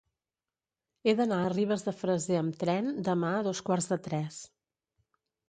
He d'anar a Ribes de Freser amb tren demà a dos quarts de tres.